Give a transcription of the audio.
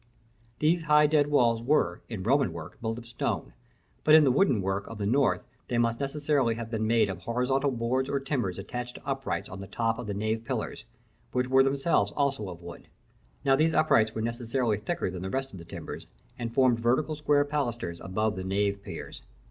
These high dead walls were, in Roman work, built of stone; but in the wooden work of the North, they must necessarily have been made of horizontal boards or timbers attached to uprights on the top of the nave pillars, which were themselves also of wood. Now, these uprights were necessarily thicker than the rest of the timbers, and formed vertical square pilasters above the nave piers.